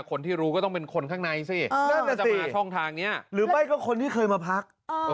คนที่รู้ก็ต้องเป็นคนข้างในสิน่าจะมาช่องทางนี้หรือไม่ก็คนที่เคยมาพัก